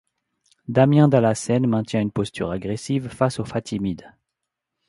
Damien Dalassène maintient une posture agressive face aux Fatimides.